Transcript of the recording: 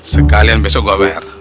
sekalian besok gua bayar